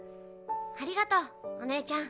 ありがとうお姉ちゃん。